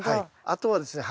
あとはですね